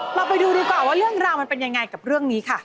เราไปดูดีกว่าว่าเรื่องราวมันเป็นยังไงกับเรื่องนี้ค่ะ